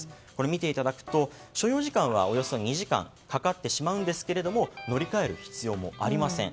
見ていただくと、所要時間はおよそ２時間かかりますが乗り換える必要もありません。